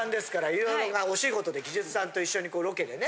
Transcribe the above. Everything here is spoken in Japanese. いろいろなお仕事で技術さんと一緒にこうロケでね。